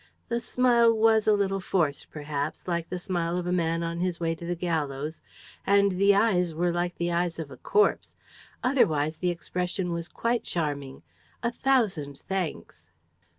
The smile was a little forced perhaps, like the smile of a man on his way to the gallows, and the eyes were like the eyes of a corpse. Otherwise the expression was quite charming. A thousand thanks."